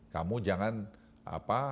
kamu jangan apa